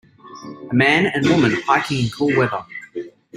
A man and woman hiking in cool weather.